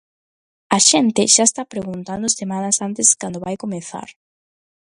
A xente xa está preguntando semanas antes cando vai comezar.